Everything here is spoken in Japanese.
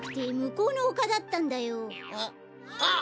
あっ！